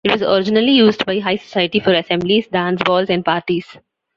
It was originally used by high society for assemblies, dance balls and parties.